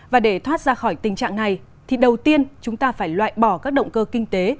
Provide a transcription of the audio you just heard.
và để thoát ra khỏi tình trạng này thì đầu tiên chúng ta phải loại bỏ các động cơ kinh tế